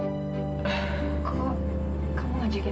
aku akan menerima itu